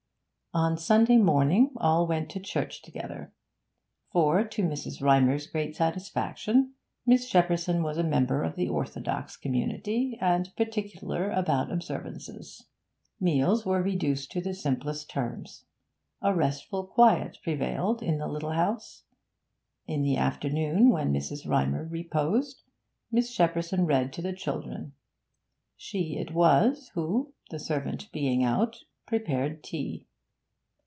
On Sunday morning all went to church together; for, to Mrs. Rymer's great satisfaction, Miss Shepperson was a member of the orthodox community, and particular about observances. Meals were reduced to the simplest terms; a restful quiet prevailed in the little house; in the afternoon, while Mrs. Rymer reposed, Miss Shepperson read to the children. She it was who the servant being out prepared tea.